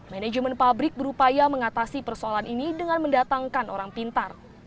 manajemen pabrik berupaya mengatasi persoalan ini dengan mendatangkan orang pintar